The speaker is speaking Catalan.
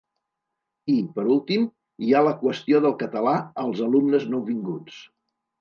I, per últim, hi ha la qüestió del català als alumnes nouvinguts.